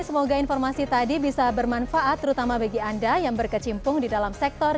semoga informasi tadi bisa bermanfaat terutama bagi anda yang berkecimpung di dalam sektor